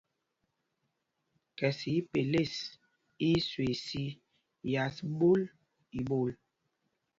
Khɛsɛ ipelês í í swee sī yas ɓól í ɓol.